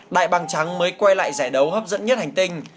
đại bằng trắng mới quay lại giải đấu hấp dẫn nhất hành tinh